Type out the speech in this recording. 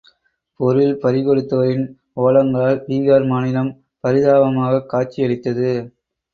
பொருள் பறி கொடுத்தோரின் ஒலங்களால் பீகார் மாநிலம் பரிதாபமாகக் காட்சியளித்தது.